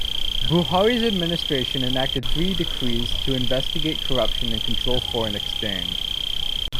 Buhari's administration enacted three decrees to investigate corruption and control foreign exchange.